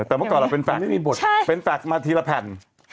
แต่เมื่อก่อนเราเป็นแฟนไม่มีบทเป็นแฟลต์มาทีละแผ่น